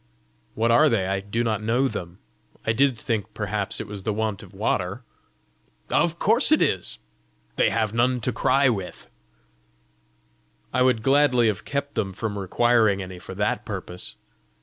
"What are they? I do not know them. I did think perhaps it was the want of water!" "Of course it is! they have none to cry with!" "I would gladly have kept them from requiring any for that purpose!"